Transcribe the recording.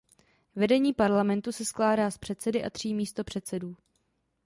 Vedení parlamentu se skládá z předsedy a tří místopředsedů.